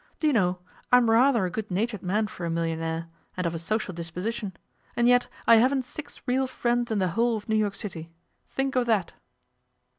D'you know I am rather a good natured man for a millionaire, and of a social disposition, and yet I haven't six real friends in the whole of New York City. Think of that!